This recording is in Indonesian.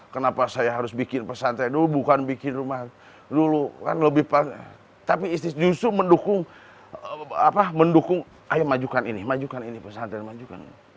kenapa saya harus bikin pesantren dulu bukan bikin rumah dulu kan lebih tapi isis justru mendukung ayo majukan ini majukan ini pesantren majukan